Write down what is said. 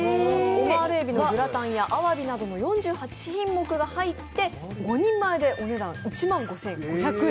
オマール海老のグラタンやあわびなどの４１品目が入って５人前でお値段１万５５００円。